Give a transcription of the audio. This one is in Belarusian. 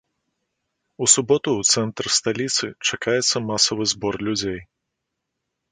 У суботу ў цэнтры сталіцы чакаецца масавы збор людзей.